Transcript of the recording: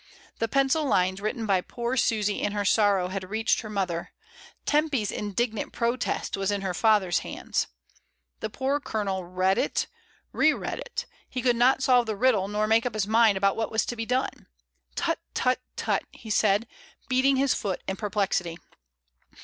The pencil lines written by poor Susy in her sorrow had reached her mother; Tempy's in dignant protest was in her father's hands. The poor Colonel read it, re read it; he could not solve the riddle, nor make up his mind what was to be done. "Tut, tut, tut!" he said, beating his foot in perplexity.